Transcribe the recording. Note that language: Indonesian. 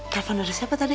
telepon dari siapa tadi